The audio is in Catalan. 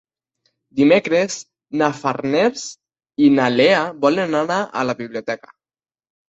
Dimecres na Farners i na Lea volen anar a la biblioteca.